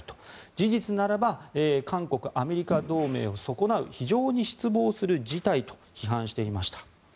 事実ならば韓国・アメリカ同盟を損なう非常に失望する事態と批判していました。